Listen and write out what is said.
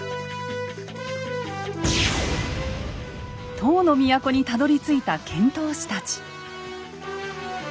唐の都にたどりついた遣唐使たち。